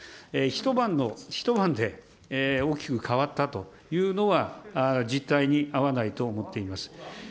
一晩の、一晩で、大きく変わったというのは、実態にあわないと思っています。